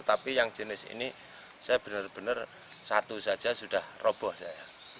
tapi yang jenis ini saya benar benar satu saja sudah roboh saya